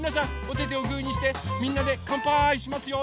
おててをグーにしてみんなでかんぱーいしますよ。